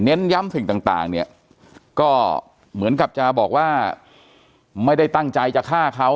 ย้ำสิ่งต่างเนี่ยก็เหมือนกับจะบอกว่าไม่ได้ตั้งใจจะฆ่าเขา